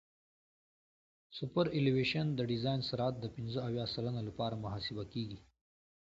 سوپرایلیویشن د ډیزاین سرعت د پنځه اویا سلنه لپاره محاسبه کیږي